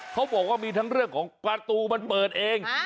เขาบอกว่ามีทั้งเรื่องของประตูมันเปิดเอง